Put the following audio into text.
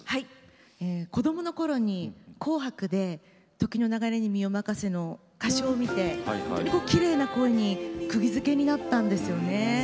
子どものころに「紅白」で「時の流れに身をまかせ」の歌唱を見てとてもきれいな声にくぎづけになったんですよね。